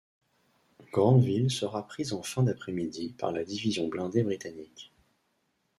Grentheville sera prise en fin d’après-midi par la division blindée britannique.